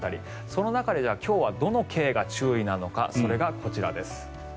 その中で今日はどのＫが注意なのかそれがこちらです。